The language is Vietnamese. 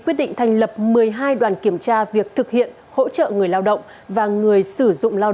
quyết định thành lập một mươi hai đoàn kiểm tra việc thực hiện hỗ trợ người lao động và người sử dụng lao